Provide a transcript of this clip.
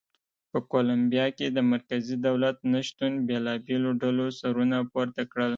په کولمبیا کې د مرکزي دولت نه شتون بېلابېلو ډلو سرونه پورته کړل.